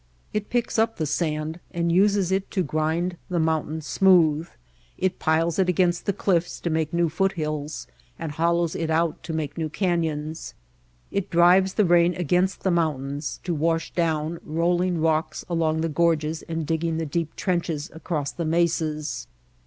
It picks up the sand and uses it to grind the mountains smooth. It piles it against the cliffs to make new foothills and hol lows it out to make new canyons. It drives the rain against the mountains to rush down, rolling White Heart of Mojave rocks along the gorges and digging the deep trenches across the mesas.